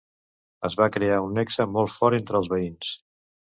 Es va crear un nexe molt fort entre els veïns.